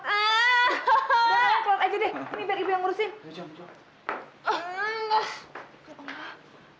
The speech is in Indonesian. ini biar ibu yang urusin